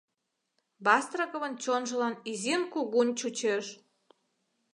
Бастраковын чонжылан изин-кугун чучеш.